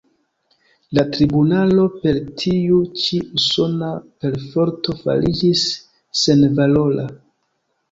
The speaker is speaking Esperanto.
La tribunalo per tiu ĉi usona perforto fariĝis senvalora.